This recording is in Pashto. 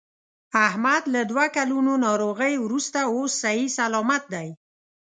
احمد له دوه کلونو ناروغۍ ورسته اوس صحیح صلامت دی.